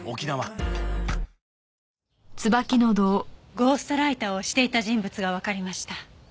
ゴーストライターをしていた人物がわかりました。